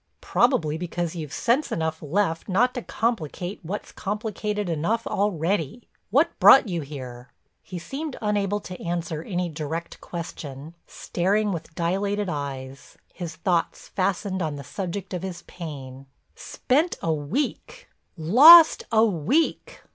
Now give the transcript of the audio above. "Probably because you've sense enough left not to complicate what's complicated enough already. What brought you here?" He seemed unable to answer any direct question, staring with dilated eyes, his thoughts fastened on the subject of his pain: "Spent a week—lost a week!